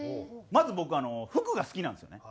まず僕服が好きなんですよね。